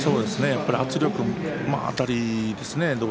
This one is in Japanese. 圧力、あたりですよね